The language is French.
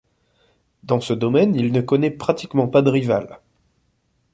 Dans ce domaine il ne connaît pratiquement pas de rival.